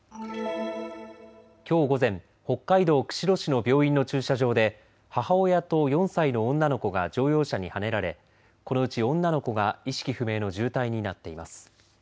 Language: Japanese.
きょう午前、北海道釧路市の病院の駐車場で母親と４歳の女の子が乗用車にはねられこのうち女の子が意識不明の重体になっています。